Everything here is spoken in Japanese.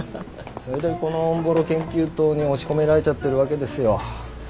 それでこのオンボロ研究棟に押し込められちゃってるわけですよ。